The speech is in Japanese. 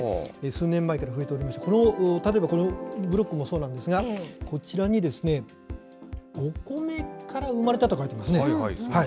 数年前から増えておりまして、例えばこのブロックもそうなんですが、こちらに、お米から生まれたと書いてありますね。